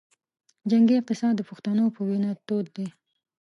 جنګي اقتصاد د پښتنو پۀ وینه تود دے